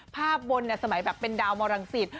ภาพบนสมัยแบบเป็นดาวมรังสิต